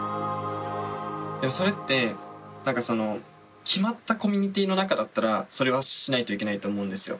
でもそれって決まったコミュニティの中だったらそれはしないといけないと思うんですよ。